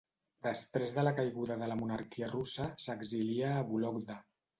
Després de la caiguda de la monarquia russa s'exilià a Vologda.